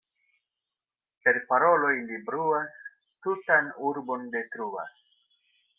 Per paroloj li bruas, tutan urbon detruas.